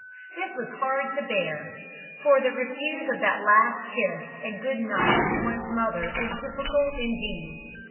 This was hard to bear, for to refuse the last kiss and "good night" to one's mother is difficult indeed.